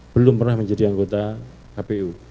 belum pernah menjadi anggota kpu